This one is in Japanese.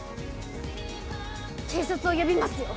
警察を呼びますよ。